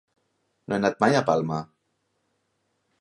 No he anat mai a Palma.